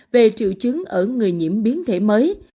về triệu chứng ở người nhiễm biến thể mới